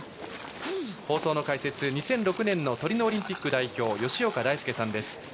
放送の解説は２００６年のトリノオリンピック代表吉岡大輔さんです。